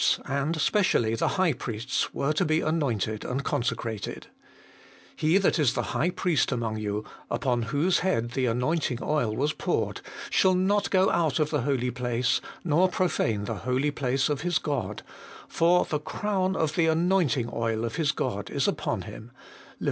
263 specially the high priests, were to be anointed and consecrated :' He that is the high priest among you, upon whose head the anointing oil was poured, shall not go out of the holy place, nor profane the holy place of his God ; for the crown of the anoint ing oil of his God is upon him' (Lev.